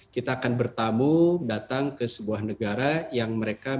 kita akan bertamu datang ke sebuah negara yang mereka